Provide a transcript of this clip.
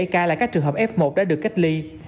bảy mươi bảy ca là các trường hợp f một đã được cách ly